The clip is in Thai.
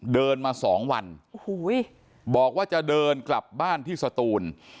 เดินมาสองวันบอกว่าจะเดินกลับบ้านที่สตูน